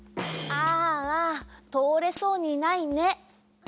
ああとおれそうにないね。